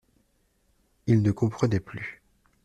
Il ne comprenait plus.